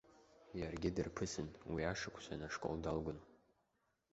Иаргьы дарԥысын, уи ашықәсан ашкол далгон.